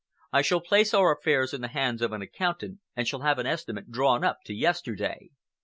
I shall place our affairs in the hands of an accountant, and shall have an estimate drawn up to yesterday.